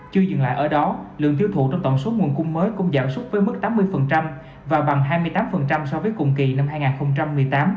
chưa dừng lại ở đó lượng tiêu thụ trong tổng số nguồn cung mới cũng giảm súc với mức tám mươi và bằng hai mươi tám so với cùng kỳ năm hai nghìn một mươi tám